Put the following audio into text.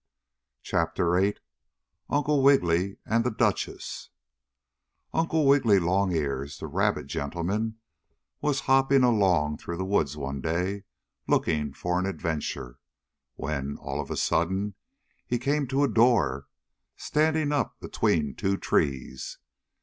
CHAPTER VIII UNCLE WIGGILY AND THE DUCHESS Uncle Wiggily Longears, the rabbit gentleman, was hopping along through the woods one day, looking for an adventure, when, all of a sudden, he came to a door standing up between two trees.